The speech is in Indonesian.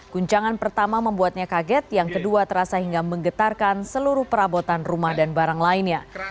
guncangan pertama membuatnya kaget yang kedua terasa hingga menggetarkan seluruh perabotan rumah dan barang lainnya